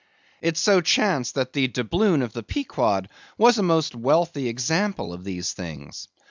It so chanced that the doubloon of the Pequod was a most wealthy example of these things.